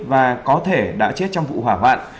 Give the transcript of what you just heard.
và có thể đã chết trong vụ hỏa hoạn